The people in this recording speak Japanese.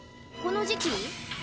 「この時期」？